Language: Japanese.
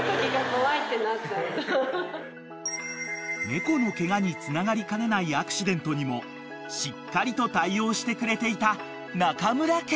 ［猫のケガにつながりかねないアクシデントにもしっかりと対応してくれていた中村家］